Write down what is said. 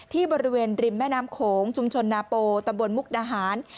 ที่บริเวณริมแม่น้ำโขงชุมชนนาโปตำบลมุกดาหาร